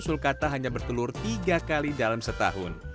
sulkata hanya bertelur tiga kali dalam setahun